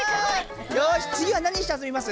よしつぎはなにして遊びます？